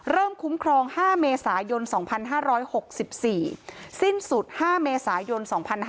คุ้มครอง๕เมษายน๒๕๖๔สิ้นสุด๕เมษายน๒๕๕๙